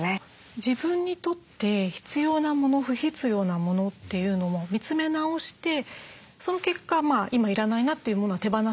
自分にとって必要な物不必要な物というのも見つめ直してその結果今要らないなっていう物は手放すわけじゃないですか。